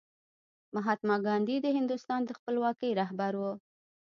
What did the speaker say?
مهاتما ګاندي د هندوستان د خپلواکۍ رهبر و.